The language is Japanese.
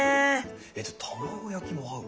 えじゃあ卵焼きも合う？